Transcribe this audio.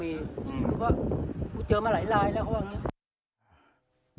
เพราะว่าผมเจอมาหลายแล้วเพราะว่าอย่างนี้